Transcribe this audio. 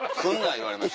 言われました。